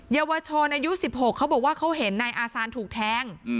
เยาวชนอายุ๑๖เขาบอกว่าเขาเห็นนายอาซานถูกแทง